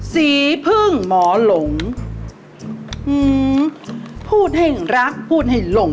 สีพึ่งหมอหลงพูดให้รักพูดให้หลง